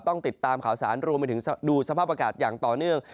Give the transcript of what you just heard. ต้องติดตามข่าวสารรวมไปถึงดูสภาพอากาศอย่างต่อเนื่อง